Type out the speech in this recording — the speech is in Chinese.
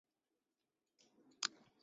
以上近似公式的误差称为时间差。